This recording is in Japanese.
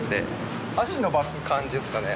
脚伸ばす感じですかね